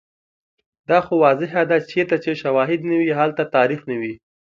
دا خو واضحه ده چیرته چې شوهد نه وي، هلته تاریخ نه وي